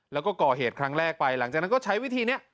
แล้วก็ก่อเหตุครั้งแรกไปหลังจากนั้นก็ใช้วิธีนี้